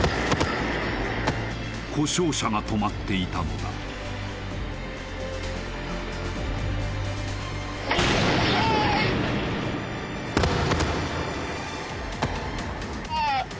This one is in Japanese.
故障車が止まっていたのだアッ！